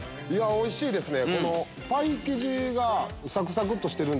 おいしいですね！